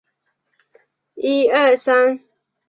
学院的主要资金来自于校友所捐赠。